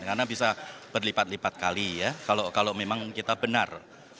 karena bisa berlipat lipat kali ya kalau memang kita benar